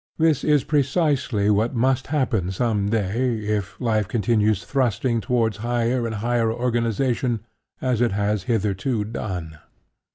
This is precisely what must happen some day if life continues thrusting towards higher and higher organization as it has hitherto done.